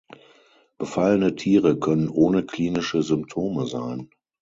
Befallene Tiere können ohne klinische Symptome sein.